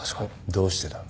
どうしてだ？